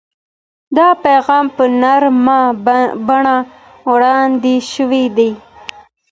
دا پیغام په نرمه بڼه وړاندې شوی دی.